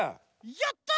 やった！